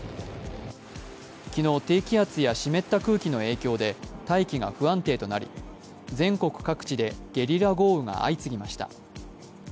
昨日、低気圧や湿った空気の影響で大気が不安定となり、全国各地でゲリラ豪雨が相次ぎました。